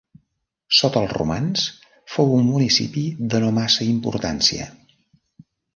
Sota els romans fou un municipi de no massa importància.